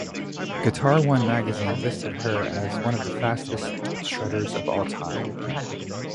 Guitar One magazine listed her as one of the "Fastest Shredders of All Time".